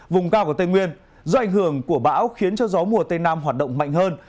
vùng cao của tây nguyên do ảnh hưởng của bão khiến cho gió mùa tây nam hoạt động mạnh hơn